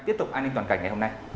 tiếp tục an ninh toàn cảnh ngày hôm nay